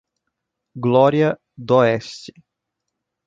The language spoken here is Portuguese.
Glória d'Oeste